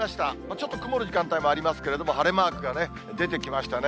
ちょっと曇る時間帯もありますけれども、晴れマークがね、出てきましたね。